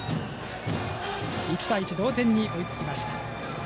１対１、同点に追いつきました。